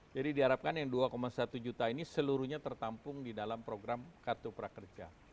jadi diharapkan yang dua satu juta ini seluruhnya tertampung di dalam program kartu prakerja